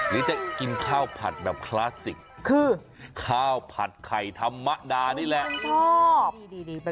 หรือจะกินข้าวผัดแบบคลาสสิกคือข้าวผัดไข่ธรรมดานี่แหละชอบ